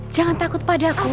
jangan takut padaku